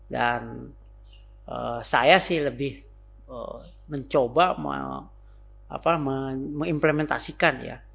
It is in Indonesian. dan saya sih lebih mencoba mengimplementasikan